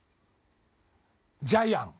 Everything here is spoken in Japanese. ジャイアン。